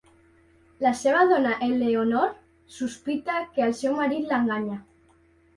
La seva dona Eleonor sospita que el seu marit l'enganya.